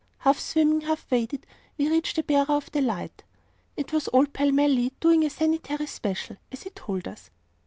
Half swimming, half wading, we reached the bearer of the light. It was old Pellmelli, 'doing a Sanitary special,' as he told us.